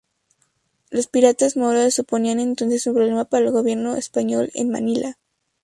Los piratas moros suponían entonces un problema para el gobierno español en Manila.